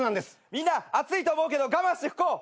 みんな熱いと思うけど我慢して吹こう。